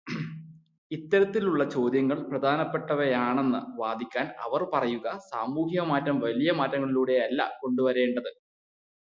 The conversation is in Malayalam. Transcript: ഇത്തരത്തിലുള്ള ചോദ്യങ്ങൾ പ്രധാനപ്പെട്ടവയാണെന്ന് വാദിക്കാൻ അവർ പറയുക സാമൂഹ്യമാറ്റം വലിയ മാറ്റങ്ങളിലൂടെയല്ല കൊണ്ടുവരേണ്ടത്